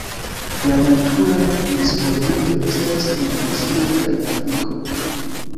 La natura disvolviĝo estas en Azio kaj Afriko.